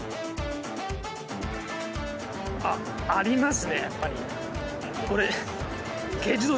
あっありますねやっぱり。